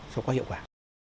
cho có hiệu quả